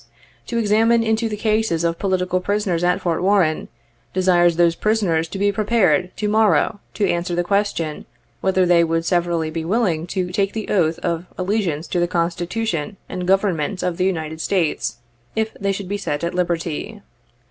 to examine into the cases of the political prisoners at Fort Warren, desires those prisoners to be prepared, to morrow, to answer the question whether they would severally be willing to take the oath of allegiance to the Constitution and Government of the United States, if they should be set at liberty.